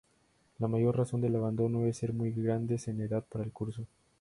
La mayor razón del abandono es ser muy grandes en edad para el curso.